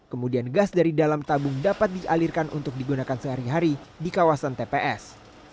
kemudian gas dari dalam tabung dapat dialirkan untuk digunakan sehari hari di kawasan tps